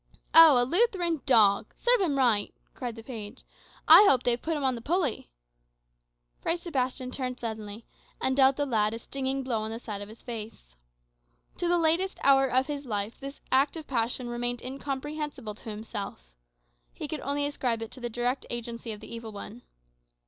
"Oh, a Lutheran dog! Serve him right," cried the page. "I hope they have put him on the pulley." Fray Sebastian turned suddenly, and dealt the lad a stinging blow on the side of his face. To the latest hour of his life this act of passion remained incomprehensible to himself. He could only ascribe it to the direct agency of the evil one.